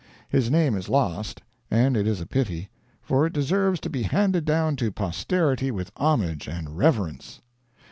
His name is lost, and it is a pity; for it deserves to be handed down to posterity with homage and reverence.